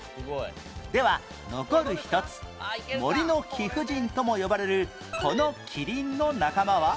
では残る１つ森の貴婦人とも呼ばれるこのキリンの仲間は？